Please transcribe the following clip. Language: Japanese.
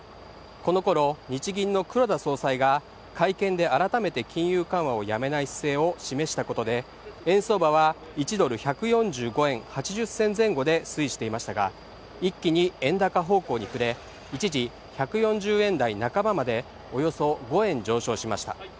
このころ、日銀の黒田総裁が会見で改めて金融緩和をやめない姿勢を示したことで円相場は１ドル＝１４５円８０銭前後で推移していましたが、一気に円高方向に振れ一時、１４０円台半ばまでおよそ５円上昇しました。